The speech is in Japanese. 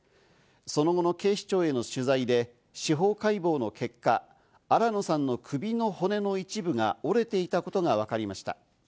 その後の警視庁への取材で司法解剖の結果、新野さんの首の骨の一部が折れていたことがわかりました。